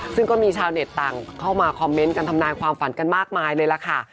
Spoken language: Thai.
ซึ่งก็มีชาวเน็ตต่างเข้ามาคอมเมนต์กันทำนายความฝันกันมากมายเลยล่ะค่ะ